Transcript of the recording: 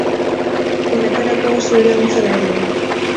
Horretarako, zure laguntza behar dugu.